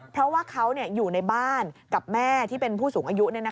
เพราะว่าเขาอยู่ในบ้านกับแม่ที่เป็นผู้สูงอายุ